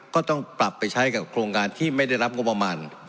ก็ต้องปรับไปใช้กับโครงการที่ไม่ได้รับงบประมาณ